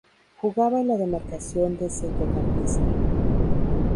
Jugaba en la demarcación de centrocampista.